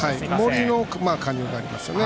森の加入がありますね。